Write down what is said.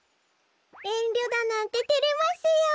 えんりょだなんててれますよ。